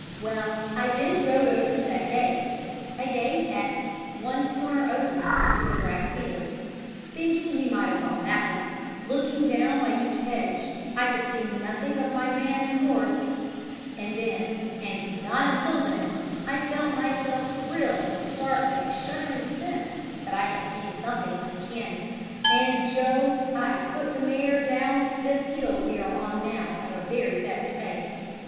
Well, I then rode over that gate' (a gate at one corner opening into a grass field), 'thinking he might have gone that way; looking down by each hedge, I could see nothing of my man and horse; and then and not until then I felt myself thrill and start with a shuddering sense that I had seen something uncanny, and, Jove! I put the mare down this hill we are on now at her very best pace.